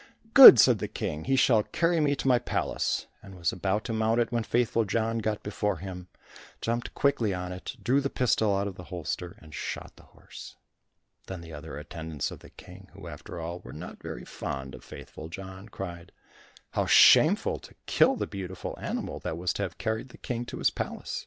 "Good," said the King, "he shall carry me to my palace," and was about to mount it when Faithful John got before him, jumped quickly on it, drew the pistol out of the holster, and shot the horse. Then the other attendants of the King, who after all were not very fond of Faithful John, cried, "How shameful to kill the beautiful animal, that was to have carried the King to his palace."